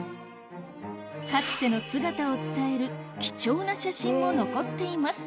かつての姿を伝える貴重な写真も残っています